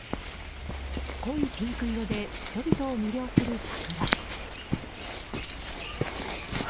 濃いピンク色で人々を魅了する桜。